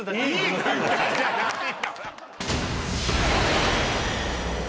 いい軍団じゃないの。